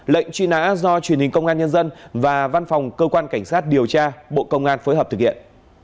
lệnh truy nã do truyền hình công an nhân dân và văn phòng cơ quan cảnh sát điều tra bộ công an phối hợp thực hiện